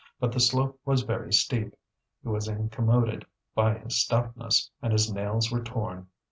But the slope was very steep; he was incommoded by his stoutness, and his nails were torn.